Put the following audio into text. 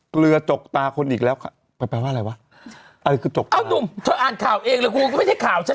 เกลือจกตาคนอีกแล้วค่ะแปลแปลว่าอะไรวะ